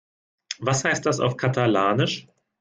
Was heißt das auf Katalanisch?